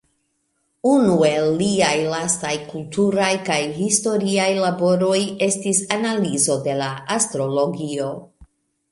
Unu el liaj lastaj kulturaj kaj historiaj laboroj estis analizo de la astrologio.